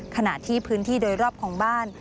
ขณะที่พื้นที่โดยรอบของบ้าน